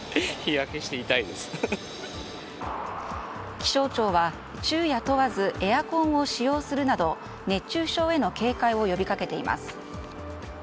気象庁は昼夜問わずエアコンを使用するなど熱中症への警戒を呼びかけています。